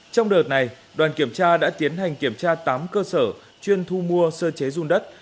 trong đợt này đoàn kiểm tra đã tiến hành kiểm tra tám cơ sở chuyên thu mua sơ chế dung đất